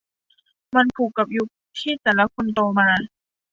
มันผูกกับยุคที่แต่ละคนโตมา